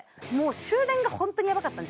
終電がホントにヤバかったんですよ